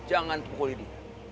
jangan pukul ini